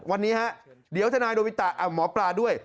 วันนี้ฮะเดี๋ยวทนายโนบิตะหมอปลาด้วย